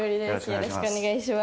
よろしくお願いします。